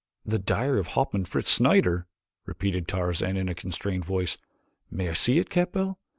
"The diary of Hauptmann Fritz Schneider!" repeated Tarzan in a constrained voice. "May I see it, Capell?